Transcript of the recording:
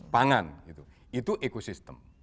pangan itu ekosistem